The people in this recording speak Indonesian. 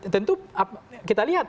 tentu kita lihat